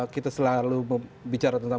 kita selalu bicara tentang